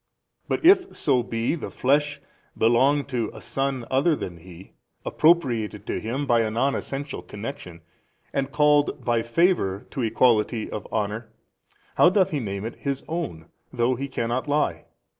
But if so be the flesh, belong to a son other than He, appropriated to Him by a non essential connection, and called by favour to equality of honour, how doth He name it His own, though He cannot lie?